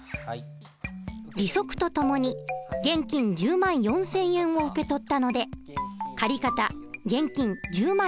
利息とともに現金１０万４，０００円を受け取ったので借方現金１０万４，０００円。